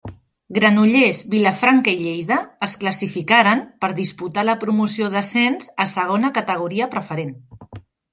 Granollers, Vilafranca i Lleida es classificaren per disputar la promoció d'ascens a Segona Categoria Preferent.